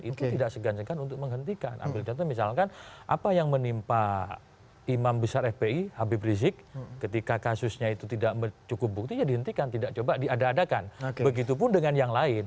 itu tidak segan segan untuk menghentikan ambil contoh misalkan apa yang menimpa imam besar fpi habib rizik ketika kasusnya itu tidak cukup bukti ya dihentikan tidak coba diada adakan begitu pun dengan yang lain